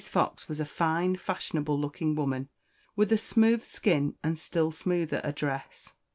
Fox was a fine, fashionable looking woman, with a smooth skin, and still smoother address.